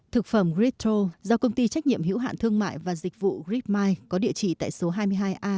thực phẩm gretol do công ty trách nhiệm hiểu hạn thương mại và dịch vụ gripmind có địa chỉ tại số hai mươi hai a